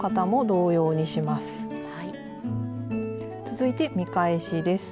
続いて見返しです。